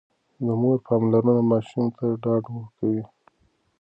د مور پاملرنه ماشوم ته ډاډ ورکوي.